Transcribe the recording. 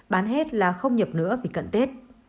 bán hết là không nhập nữa vì cận tết